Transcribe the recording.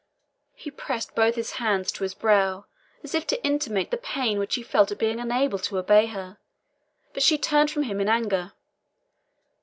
He pressed both his hands to his brow, as if to intimate the pain which he felt at being unable to obey her; but she turned from him in anger.